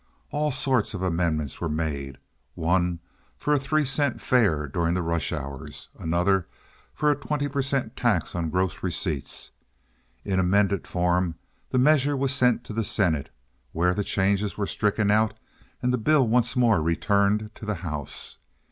All sorts of amendments were made—one for a three cent fare during the rush hours, another for a 20 per cent. tax on gross receipts. In amended form the measure was sent to the senate, where the changes were stricken out and the bill once more returned to the house.